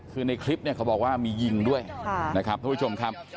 คือในคลิปเนี่ยเขาบอกว่ามียิงด้วยนะครับท่านผู้ชมครับ